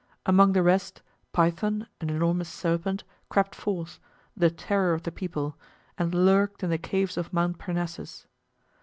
Among the rest, Python, an enormous serpent, crept forth, the terror of the people, and lurked in the caves of Mount Parnassus.